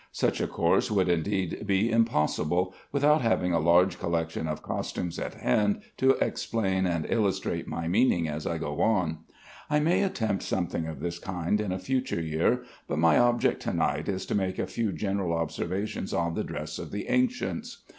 Such a course would indeed be impossible, without having a large collection of costumes at hand to explain and illustrate my meaning as I go on. I may attempt something of this kind in a future year, but my object to night is to make a few general observations on the dress of the ancients.